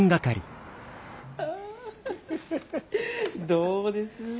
どうです？